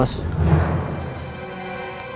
masih ada yang nungguin